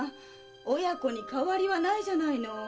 親子に変わりはないじゃないの。